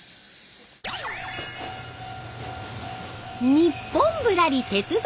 「ニッポンぶらり鉄道旅」。